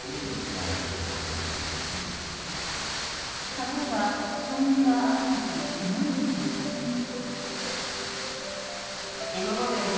例えば、少年はある時馬にこう尋ねる。